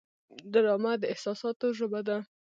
ډرامه د احساساتو ژبه ده